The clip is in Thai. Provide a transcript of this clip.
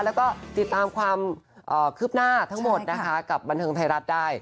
แล้วก็ติดตามความคืบหน้าทั้งหมดนะคะกับบันเทิงไทยรัฐได้